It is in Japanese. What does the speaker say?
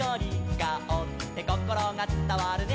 「カオってこころがつたわるね」